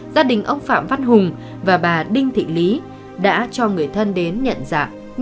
gia đình ông phạm văn hùng và bà đinh thị lý đã cho người thân đến nhận dạng